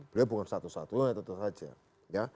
beliau bukan satu satunya tentu saja ya